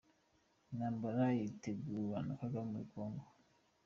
Intambara itegurwa na Kagame muri Congo